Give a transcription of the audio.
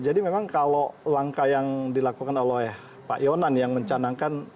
jadi memang kalau langkah yang dilakukan oleh pak yonan yang mencanangkan